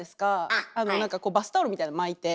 あの何かバスタオルみたいの巻いて。